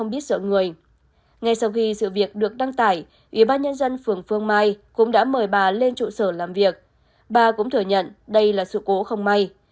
bà cũng thừa nhận đây là sự cố không may